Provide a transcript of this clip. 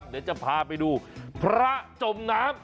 เดี๋ยวจะพาไปดูพระจมน้ำ